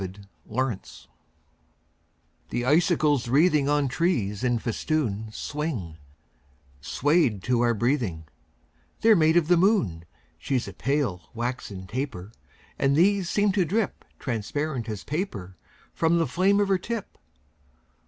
SILVER FILIGREE The icicles wreathing On trees in festoon Swing, swayed to our breathing: They're made of the moon. She's a pale, waxen taper; And these seem to drip Transparent as paper From the flame of her tip.